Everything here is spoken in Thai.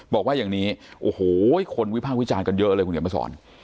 บอกว่าอย่างนี้คนวิภาควิจารณ์กันเยอะเลยคุณอย่ามาสอน